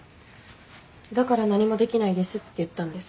だから「何もできないです」って言ったんです。